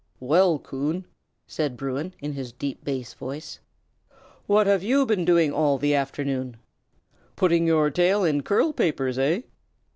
"Well, Coon," said Bruin, in his deep bass voice, "what have you been doing all the afternoon? Putting your tail in curl papers, eh?"